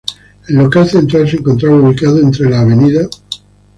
El local central se encontraba ubicado entre la Av.